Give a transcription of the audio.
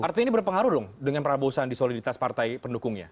artinya ini berpengaruh dong dengan prabowo sandi soliditas partai pendukungnya